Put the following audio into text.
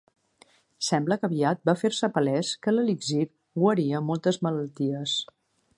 Sembla que aviat va fer-se palès que l'elixir guaria moltes malalties.